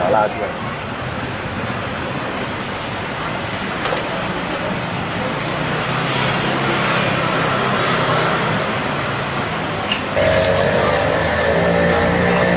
สวัสดีทุกคน